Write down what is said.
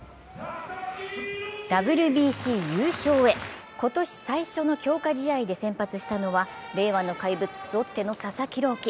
ＷＢＣ優勝へ、今年最初の強化試合で先発したのは令和の怪物・ロッテの佐々木朗希。